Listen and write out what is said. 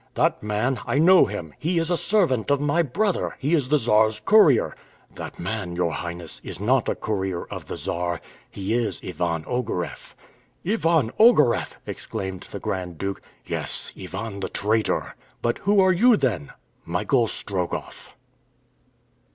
"That man, I know him! He is a servant of my brother! He is the Czar's courier!" "That man, your Highness, is not a courier of the Czar! He is Ivan Ogareff!" "Ivan Ogareff!" exclaimed the Grand Duke. "Yes, Ivan the Traitor!" "But who are you, then?" "Michael Strogoff!"